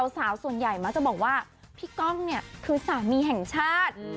สาวส่วนใหญ่มักจะบอกว่าพี่ก้องเนี่ยคือสามีแห่งชาติ